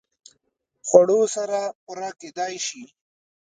خوړو سره پوره کېدای شي